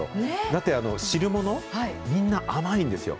だって汁物、みんな甘いんですよ。